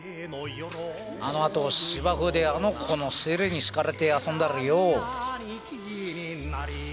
あのあと芝生であの子の尻に敷かれて遊んだりよう。